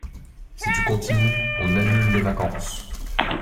Si tu continues, on annule les vacances.